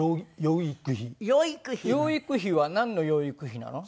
養育費はなんの養育費なの？